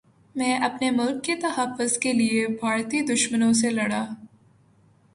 میں اپنے ملک کے تحفظ کے لیے بھارتی دشمنوں سے لڑا